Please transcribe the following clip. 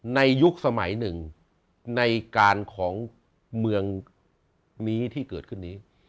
ยุคสมัยหนึ่งในการของเมืองนี้ที่เกิดขึ้นนี้